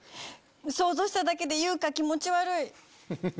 想像しただけで優香気持ち悪い。